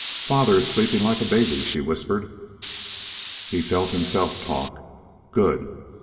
"Father is sleeping like a baby," she whispered. He felt himself talk: "Good."